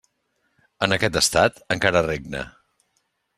En aquest estat, encara regna.